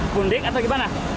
mundik atau gimana